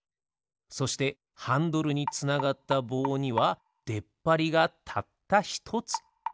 そしてハンドルにつながったぼうにはでっぱりがたったひとつ。